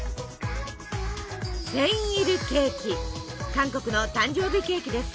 韓国の誕生日ケーキです。